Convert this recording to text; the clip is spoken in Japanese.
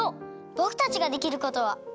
ぼくたちができることは。